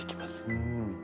うん。